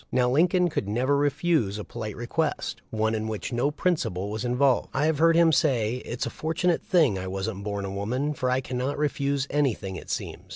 Now Lincoln could never refuse a 374 THE LIFE OF LINCOLN. polite request — one in which no principle was involved. I have heard him say, "It's a for tunate thing I wasn't born a woman, for I cannot refuse anything, it seems."